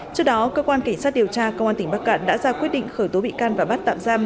trước đó cơ quan cảnh sát điều tra công an tỉnh bắc cạn đã ra quyết định khởi tố bị can và bắt tạm giam